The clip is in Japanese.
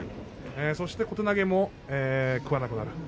そして小手投げも食わなくなる。